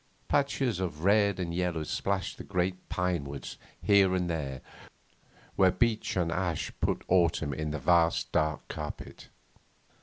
Patches of red and yellow splashed the great pine woods here and there where beech and ash put autumn in the vast dark carpet.